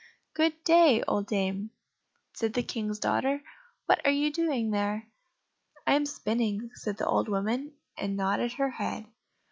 "Good day, old dame," said the King's daughter; "what are you doing there?" "I am spinning," said the old woman, and nodded her head.